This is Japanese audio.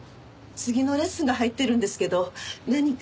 次のレッスンが入ってるんですけど何か？